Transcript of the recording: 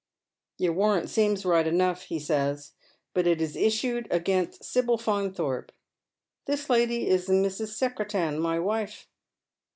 " Your waiTant seems right enough," he says, " but it is issued against Sibyl Faunthorpe ; this lady is Mrs. Secretan, my mfe."